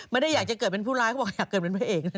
ไม่ได้อยากจะเกิดเป็นผู้ร้ายเขาบอกอยากเกิดเป็นพระเอกเลย